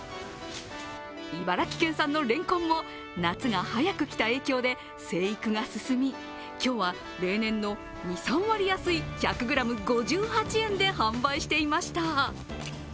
茨城県産のレンコンも夏が早く来た影響で生育が進み今日は例年の２３割安い１００ｇ５８円で販売していました。